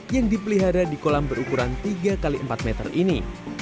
yang dipelihara di kolam berukuran tiga x empat meter ini